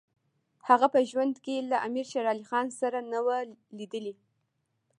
هغه په ژوند کې له امیر شېر علي خان سره نه وو لیدلي.